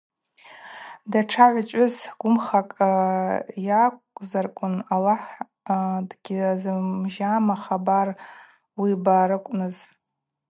Датша гӏвычӏвгӏвыс гвымхакӏ йакӏвзарквын – Аллахӏ дгьзымжьама хабар уибарыквныз.